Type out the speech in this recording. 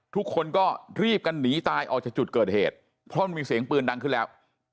ทุกคนก็รีบกันหนีตายออกจากจุดเกิดเหตุเพราะมันมีเสียงปืนดังขึ้นแล้ว